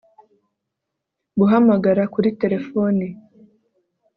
guhamagara kuri telefoni